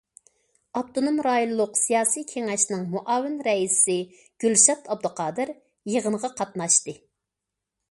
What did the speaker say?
ئاپتونوم رايونلۇق سىياسىي كېڭەشنىڭ مۇئاۋىن رەئىسى گۈلشات ئابدۇقادىر يىغىنغا قاتناشتى.